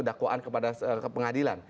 dakwaan kepada pengadilan